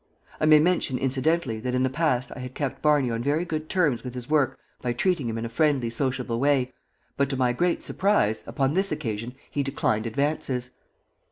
I may mention incidentally that in the past I had kept Barney on very good terms with his work by treating him in a friendly, sociable way, but, to my great surprise, upon this occasion he declined advances.